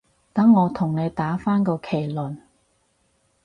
等我同你打返個茄輪